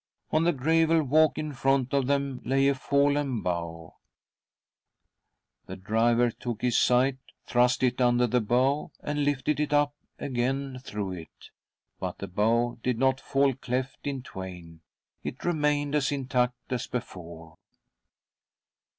On the gravel walk in front of them lay a fallen bough. The driver took his scythe, thrust it under the bough, and lifted it up again through it— but the bough did not fall cleft in twain ; it remained" as intact as before.